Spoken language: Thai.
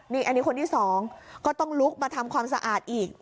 นี่อันนี้คนที่สองก็ต้องลุกมาทำความสะอาดอีก